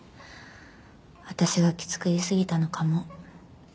私がきつく言いすぎたのかも。